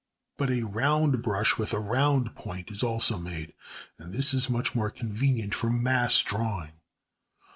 But a round brush with a round point is also made, and this is much more convenient for mass drawing.